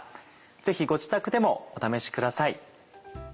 ぜひご自宅でもお試しください。